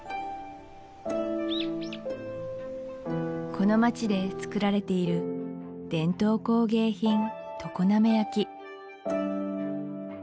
この街で作られている伝統工芸品常滑焼